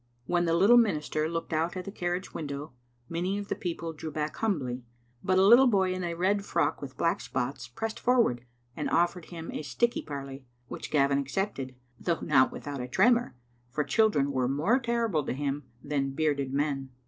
When the little minister looked out at the carriage window, many of the people drew back humbly, but a little boy in a red frock with black spots pressed forward and offered him a sticky parly, which Gavin accepted, though not without a tremor, for children were more terrible to him then than bearded men.